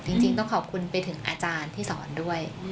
จริงต้องขอบคุณไปถึงอาจารย์ที่สอนด้วย